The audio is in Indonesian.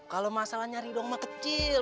kalau masalah nyari dong mah kecil